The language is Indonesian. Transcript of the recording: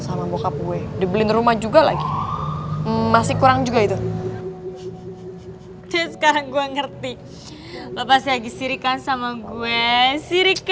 coba udah lebih pinter keles